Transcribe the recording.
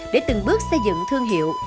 để từng bước xây dựng thương hiệu